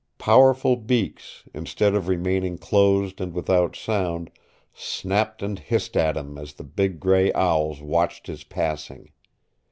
Powerful beaks, instead of remaining closed and without sound, snapped and hissed at him as the big gray owls watched his passing.